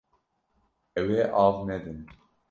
Ew ê av nedin.